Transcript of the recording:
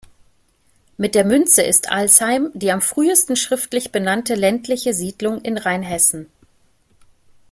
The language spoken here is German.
Mit der Münze ist Alsheim die am frühesten schriftlich benannte ländliche Siedlung in Rheinhessen.